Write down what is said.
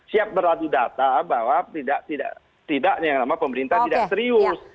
siap berlatuh data bahwa tidak tidak tidak yang nama pemerintah tidak serius